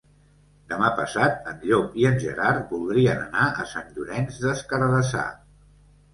Demà passat en Llop i en Gerard voldrien anar a Sant Llorenç des Cardassar.